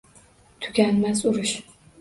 Tuganmas urush